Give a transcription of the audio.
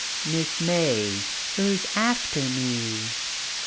Miss May, her's arter me."